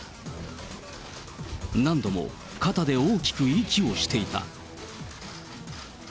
何度も肩で大きく息をしていた。